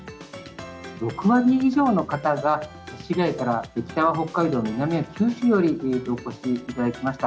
６割以上の方が市外から、北は北海道、南は九州よりお越しいただきました。